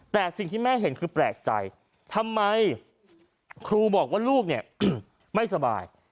แต่สิ่งที่แม่เห็นคือแปลกใจทำไมครูบอกว่าลูกเนี่ยไม่สบาย